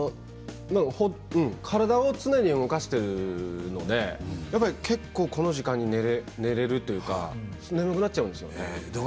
体を常に動かしているので結構、この時間に寝れるというか眠くなっちゃうんですよね。